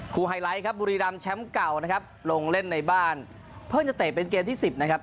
ไฮไลท์ครับบุรีรำแชมป์เก่านะครับลงเล่นในบ้านเพิ่งจะเตะเป็นเกมที่สิบนะครับ